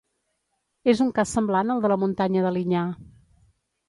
És un cas semblant al de la muntanya d'Alinyà.